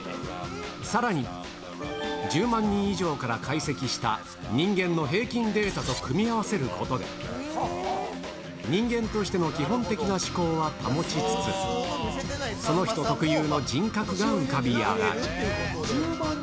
さらに、１０万人以上から解析した人間の平均データと組み合わせることで、人間としての基本的な思考は保ちつつ、その人特有の人格が浮かび上がる。